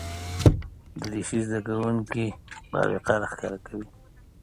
دریشي زده کوونکي باوقاره ښکاره کوي.